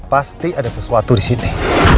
pasti ada sesuatu di sini